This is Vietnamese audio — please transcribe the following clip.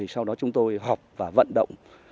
sau đó chúng tôi học và vận động